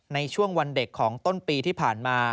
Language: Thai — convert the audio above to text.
ในช่วงวันเด็กของต้นปีที่ผ่านมา